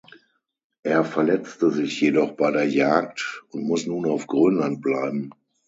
Er verletzte sich jedoch bei der Jagd und muss nun auf Grönland bleiben.